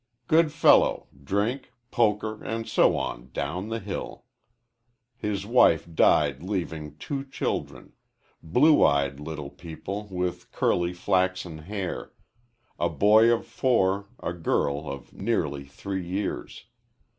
Good fellow, drink, poker, and so on down the hill! His wife died leaving two children blue eyed little people with curly, flaxen hair a boy of four a girl of nearly three years.